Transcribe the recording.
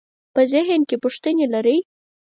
په ذهن کې پوښتنې لرئ؟